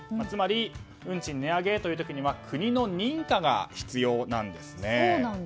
つまり、運賃値上げという時には国の認可が必要なんですね。